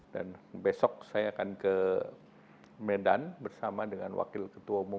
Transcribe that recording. dan besok saya akan ke medan bersama dengan wakil ketua umum dari pan